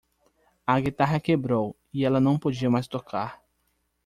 A guitarra quebrou e ela não podia mais tocar.